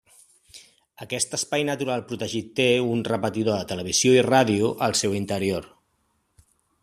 Aquest espai natural protegit té un repetidor de televisió i ràdio al seu interior.